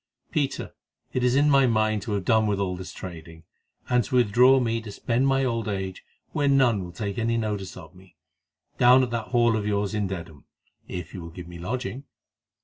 Peter, it is in my mind to have done with all this trading, and to withdraw me to spend my old age where none will take any notice of me, down at that Hall of yours in Dedham, if you will give me lodging.